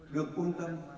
rất quan tâm